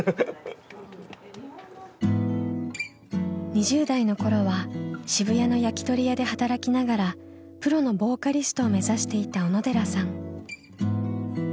２０代の頃は渋谷の焼き鳥屋で働きながらプロのボーカリストを目指していた小野寺さん。